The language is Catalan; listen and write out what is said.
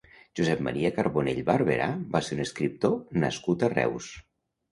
Josep Maria Carbonell Barberà va ser un escriptor nascut a Reus.